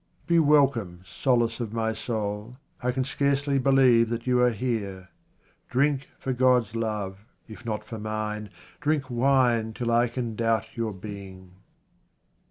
Be welcome, solace of my soul, I can scarcely believe that you are here. Drink, for God's love, if not for mine, drink wine till I can doubt your being.